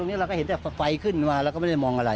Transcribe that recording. อันนี้เราก็เห็นแต่ไฟขึ้นมาเราก็ไม่ได้มองอะไร